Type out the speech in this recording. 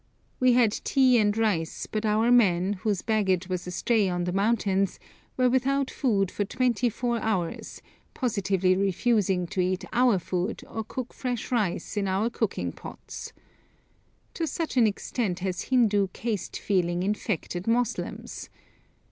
We had tea and rice, but our men, whose baggage was astray on the mountains, were without food for twenty two hours, positively refusing to eat our food or cook fresh rice in our cooking pots! To such an extent has Hindu caste feeling infected Moslems!